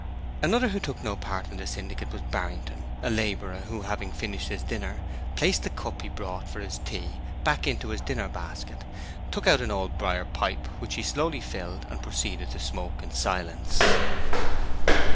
Another who took no part in the syndicate was Barrington, a labourer, who, having finished his dinner, placed the cup he brought for his tea back into his dinner basket, took out an old briar pipe which he slowly filled, and proceeded to smoke in silence.